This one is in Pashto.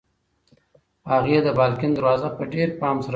هغې د بالکن دروازه په ډېر پام سره پرانیسته.